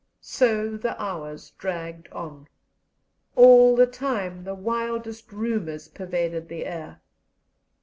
So the hours dragged on. All the time the wildest rumours pervaded the air.